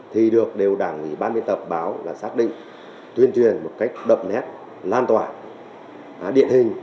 thì được đều đảng ủy ban biên tập báo là xác định tuyên truyền một cách đậm nét lan tỏa điện hình